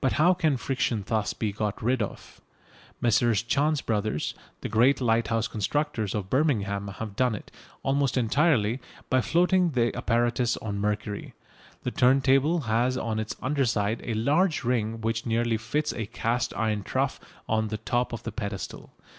But how can friction thus be got rid of? Messrs Chance Bros., the great lighthouse constructors, of Birmingham, have done it, almost entirely, by floating the apparatus on mercury. The turntable has on its under side a large ring which nearly fits a cast iron trough on the top of the pedestal.